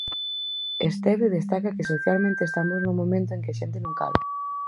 Estévez destaca que socialmente estamos nun momento en que a xente non cala.